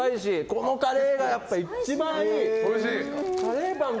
このカレーが一番いい。